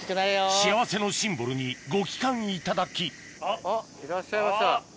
幸せのシンボルにご帰還いただきあっいらっしゃいました。